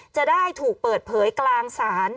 จะได้ถูกเปิดเผยกลางศาล